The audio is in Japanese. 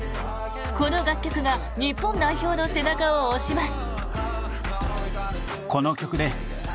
この楽曲が日本代表の背中を押します！